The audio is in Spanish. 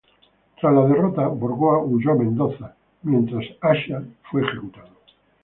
Tras la derrota, Burgoa huyó a Mendoza, mientras Acha fue ejecutado.